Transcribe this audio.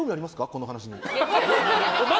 この話に。